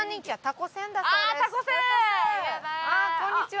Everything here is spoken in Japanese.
こんにちは。